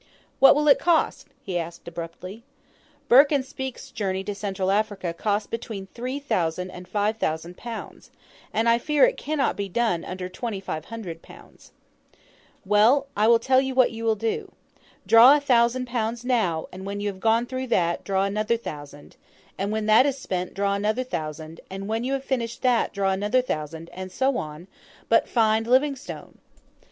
"What will it cost?" he asked abruptly. "Burton and Speke's journey to Central Africa cost between £3,000 and £5,000, and I fear it cannot be done under £2,500." "Well, I will tell you what you will do. Draw a thousand pounds now; and when you have gone through that, draw another thousand, and when that is spent, draw another thousand, and when you have finished that, draw another thousand, and so on; but, FIND LIVINGSTONE."